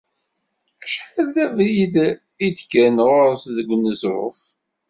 Acḥal d abrid i d-kkren ɣur-es deg uneẓruf.